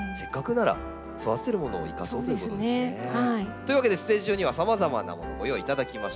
というわけでステージ上にはさまざまなものご用意いただきました。